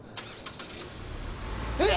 えっ！？